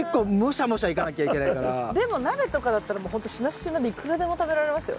でも鍋とかだったらもうほんとしなしなでいくらでも食べられますよ。